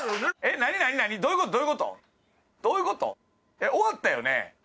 えっ終わったよね？